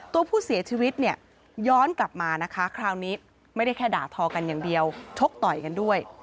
ตัวผู้เสียชีวิตเนี่ยย้อนกลับมานะคะคราวนี้ไม่ได้แค่ด่าทอกันอย่างเดียวชกต่อยกันด้วย